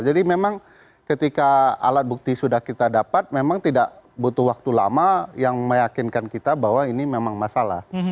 jadi memang ketika alat bukti sudah kita dapat memang tidak butuh waktu lama yang meyakinkan kita bahwa ini memang masalah